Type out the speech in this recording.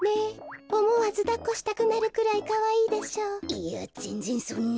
いやぜんぜんそんな。